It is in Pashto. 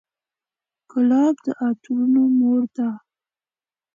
ګلاب د عطرونو مور ده.